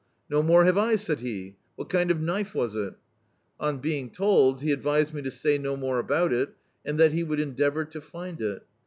"No more have I," said he. "What kind of knife was it?" On being told, he advised me to say no more about it, and that he would endeavour to find it.